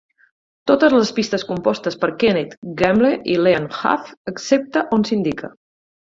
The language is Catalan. Totes les pistes compostes per Kenneth Gamble i Leon Huff; excepte on s'indica.